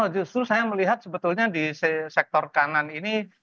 justru saya melihat sebetulnya di sektor kanan ini